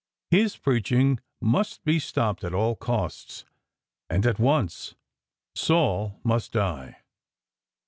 His preaching must be stopped at aU costs and at once. Saul must die.